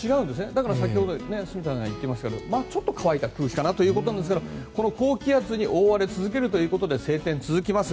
だから先ほど、住田さんが言っていましたがちょっと乾いた空気かなということですが高気圧に覆われ続けるということで晴天が続きます。